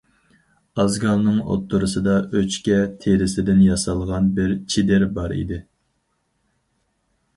ئازگالنىڭ ئوتتۇرىسىدا ئۆچكە تېرىسىدىن ياسالغان بىر چېدىر بار ئىدى.